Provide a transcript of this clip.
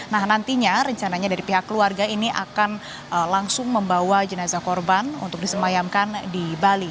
nah nantinya rencananya dari pihak keluarga ini akan langsung membawa jenazah korban untuk disemayamkan di bali